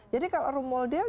jadi kalau role model